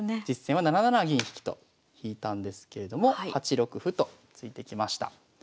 実戦は７七銀引と引いたんですけれども８六歩と突いてきました。